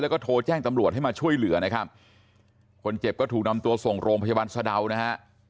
แล้วก็โทรแจ้งตำรวจให้มาช่วยเหลือนะครับคนเจ็บก็ถูกนำตัวส่งโรงพยาบาลสะดาวนะฮะ